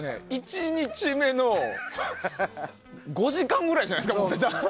１日目の５時間くらいじゃないですか持ってたの。